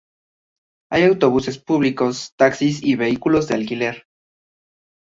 Hay autobuses públicos, taxis y vehículos de alquiler.